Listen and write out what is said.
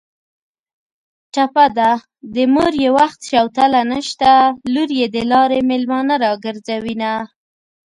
ټپه ده: د مور یې وخت شوتله نشته لور یې د لارې مېلمانه راګرځوینه